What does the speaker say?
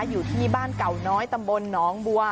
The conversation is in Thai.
อยู่ที่บ้านเก่าน้อยตำบลหนองบัว